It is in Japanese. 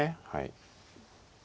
はい。